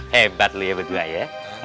hebat loh ya berdua ya